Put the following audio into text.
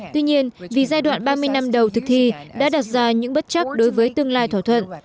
tuy nhiên vì giai đoạn ba mươi năm đầu thực thi đã đặt ra những bất chắc đối với tương lai thỏa thuận